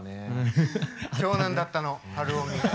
長男だったの晴臣。